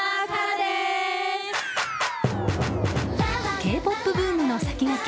Ｋ‐ＰＯＰブームの先駆け